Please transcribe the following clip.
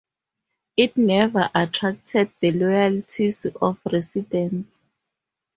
It never attracted the loyalties of residents.